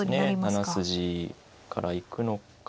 ７筋から行くのか